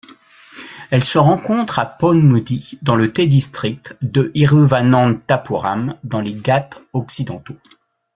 Elle se rencontre à Ponmudi dans le Tdistrict de hiruvananthapuram dans les Ghâts occidentaux.